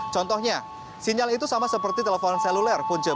contohnya sinyal itu sama seperti telepon seluler punca